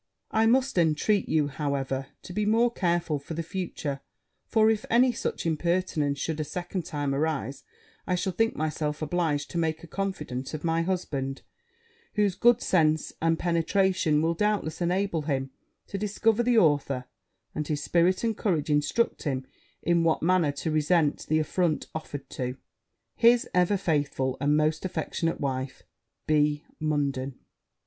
I must intreat you, however, to be more careful for the future; for if any such impertinence should a second time arise, I shall think myself obliged to make a confidante of my husband, whose good sense and penetration will, doubtless, enable him to discover the author, and his spirit and courage instruct him in what manner to resent the affront offered to his ever faithful, and most affectionate wife, B. MUNDEN.'